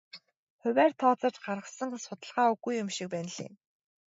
Хувиар тооцож гаргасан судалгаа үгүй юм шиг байна лээ.